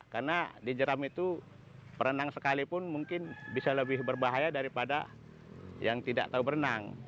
karena di jeram itu perenang sekalipun mungkin bisa lebih berbahaya daripada yang tidak tahu berenang